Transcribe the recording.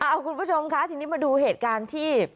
คุณผู้ชมคะทีนี้มาดูเหตุการณ์ที่